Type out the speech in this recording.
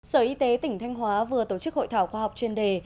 sở y tế tỉnh thanh hóa vừa tổ chức hội thảo khoa học chuyên đề